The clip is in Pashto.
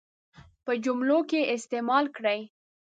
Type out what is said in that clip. په جملو کې استعمال کړي.